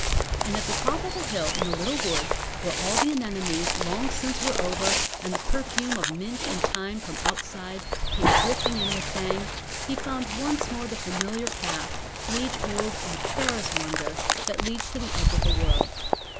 And at the top of a hill in a little wood, where all the anemones long since were over and the perfume of mint and thyme from outside came drifting in with Thang, he found once more the familiar path, age old and fair as wonder, that leads to the Edge of the World.